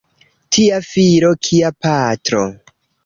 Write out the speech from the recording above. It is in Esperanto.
Tia filo kia patro!